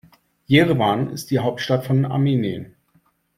Jerewan ist die Hauptstadt von Armenien.